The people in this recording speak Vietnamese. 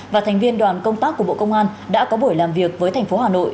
và thành viên đoàn công tác của bộ công an đã có buổi làm việc với thành phố hà nội